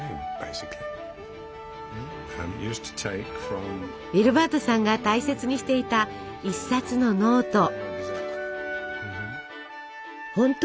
ウィルバートさんが大切にしていた１冊のノート。